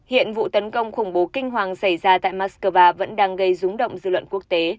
hiện vụ tấn công khủng bố kinh hoàng xảy ra tại moscow vẫn đang gây rúng động dư luận quốc tế